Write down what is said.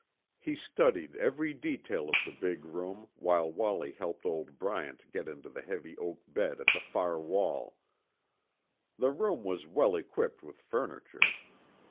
He studied every detail of the big room while Wallie helped old Bryant get into the heavy oak bed at the far wall. The room was well equipped with furniture.